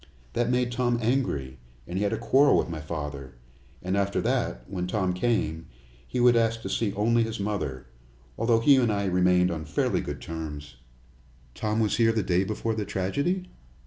That made Tom angry, and he had a quarrel with my father, and after that when Tom came he would ask to see only his mother, although he and I remained on fairly good terms." "Tom was here the day before the tragedy?"